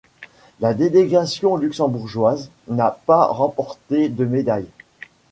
La délégation luxembourgeoise n'a pas remporté de médailles.